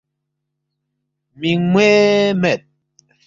مِنگموے مید